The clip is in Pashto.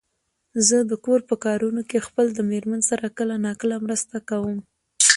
زه د کور په کارونو کې خپل د مېرمن سره کله ناکله مرسته کوم.